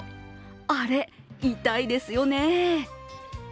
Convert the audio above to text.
あれ、痛いですよね。